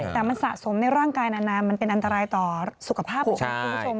แต่มันสะสมในร่างกายเฝนมันเป็นอันตรายต่อผิวส่ง